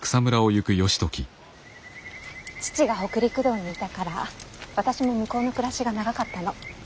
父が北陸道にいたから私も向こうの暮らしが長かったの。